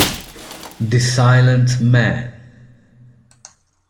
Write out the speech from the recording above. The Silent Man